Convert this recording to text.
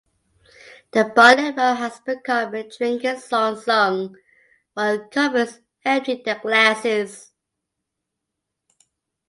"The Barley Mow" has become a drinking song sung while comrades empty their glasses.